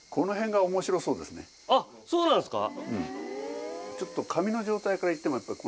あっそうなんすか？